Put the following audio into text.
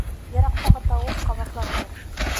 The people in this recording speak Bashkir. Йыраҡтағы тауыш ҡабатланды.